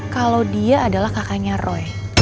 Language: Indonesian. kalau dia adalah kakaknya roy